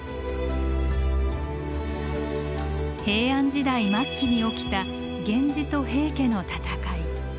平安時代末期に起きた源氏と平家の戦い。